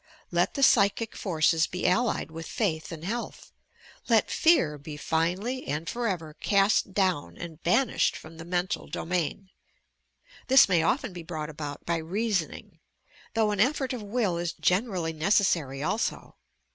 Let the psychic forces be allied with faith and health, let fear be finally and for ever cast down and banished from the mental domain. This may often be brought about by reasoning, though an eifort of will iH generally necessary also.